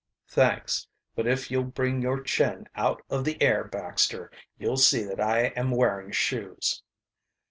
"Thanks, but if you'll bring your chin out of the air, Baxter, you'll see that I am wearing shoes."